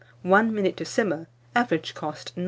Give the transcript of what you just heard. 1 minute to simmer. Average cost, 9d.